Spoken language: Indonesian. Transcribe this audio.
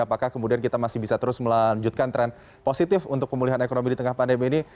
apakah kemudian kita masih bisa terus melanjutkan tren positif untuk pemulihan ekonomi di tengah pandemi ini